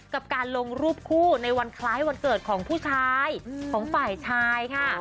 กับการลงรูปคู่ในวันคล้ายวันเกิดของผู้ชายของฝ่ายชายค่ะ